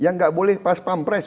yang gak boleh pas pam pres